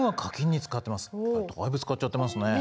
だいぶ使っちゃってますね。